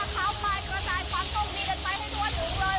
สุดท้ายค่ะโกยไปค่ะโกยไปค่ะ